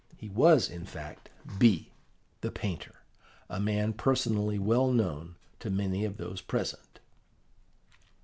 He was, in fact, B. the painter, a man personally well known to many of those present.